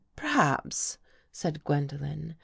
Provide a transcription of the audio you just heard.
" Perhaps," said Gwendolen.